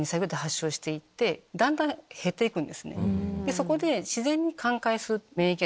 そこで。